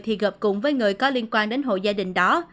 thì gặp cùng với người có liên quan đến hộ gia đình đó